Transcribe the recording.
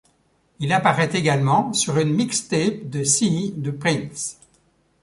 Il apparaît également sur une mixtape de CyHi The Prynce.